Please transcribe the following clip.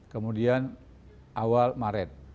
kemudian awal maret